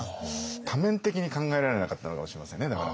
多面的に考えられなかったのかもしれませんねだから。